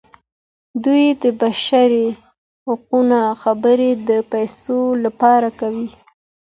دوی د بشري حقونو خبرې د پیسو لپاره کوي.